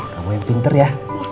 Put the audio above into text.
kamu yang pinter ya